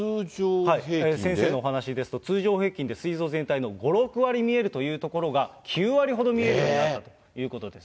先生のお話ですと、通常平均ですい臓全体の５、６割見えるというところが９割ほど見えるようになったということです。